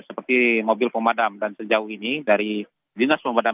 seperti mobil pemadam dan sejauh ini dari dinas pemadam